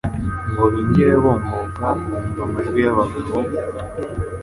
Ngo binjire bomboka bumva amajwi y'abagabo,